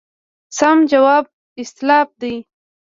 سم ځواب استالف دی.